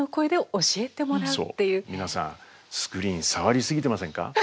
皆さんスクリーン触りすぎてませんか？